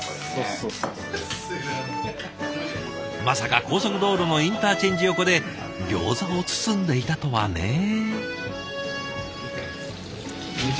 まさか高速道路のインターチェンジ横でギョーザを包んでいたとはね！